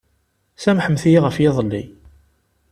Samḥemt-iyi ɣef yiḍelli.